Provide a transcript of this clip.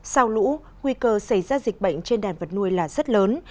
sau lũ nguy cơ xảy ra dịch bệnh trên đàn vật nuôi là rất lớn